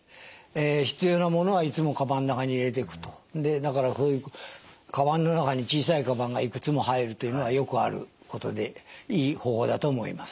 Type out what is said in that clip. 必要なものはいつもかばんの中に入れてくとでだからそういうかばんの中に小さいかばんがいくつも入るというのはよくあることでいい方法だと思います。